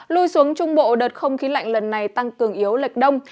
lui xuống trung bộ đợt không khí lạnh lần này tăng cường yếu lệch đông